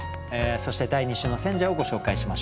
そして第２週の選者をご紹介しましょう。